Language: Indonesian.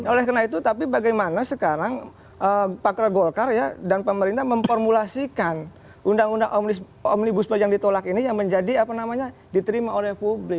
oleh karena itu tapi bagaimana sekarang pakar golkar ya dan pemerintah memformulasikan undang undang omnibus law yang ditolak ini yang menjadi apa namanya diterima oleh publik